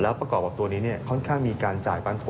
ประกอบกับตัวนี้ค่อนข้างมีการจ่ายปันผล